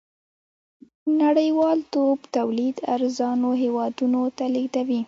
نړۍوالتوب تولید ارزانو هېوادونو ته لېږدوي.